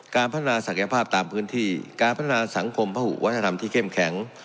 การพัฒนาศักยภาพตามพื้นที่การพัฒนาสังคมพหุวัฒนธรรมที่เข้มแข็ง